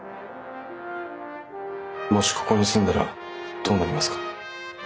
もしここに住んだらどうなりますか？